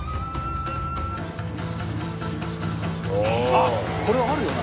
あっこれあるよな。